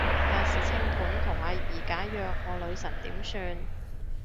亞視清盤同阿儀解約，我女神點算